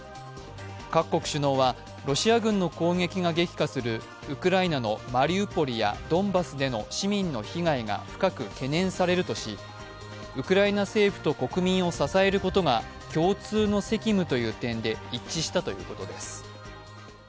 各国首脳はロシア軍の攻撃が激化するウクライナのマリウポリやドンバスでの市民の被害が深く懸念されるとし、ウクライナ政府と国民を支えることが共通の責務という点で一致したということです。